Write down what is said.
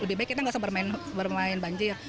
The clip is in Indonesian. lebih baik kita nggak sabar main banjir